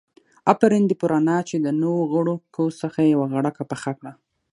آفرين دي پر انا چې د نو غړکو څخه يې يوه غړکه پخه کړه.